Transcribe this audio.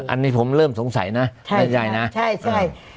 อันนี้ผมเริ่มสงสัยนะด้านยายนะใช่